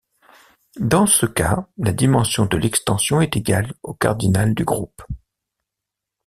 Dans ce cas, la dimension de l'extension est égale au cardinal du groupe.